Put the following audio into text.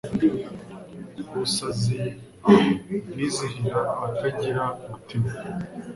Ubusazi bwizihira abatagira umutima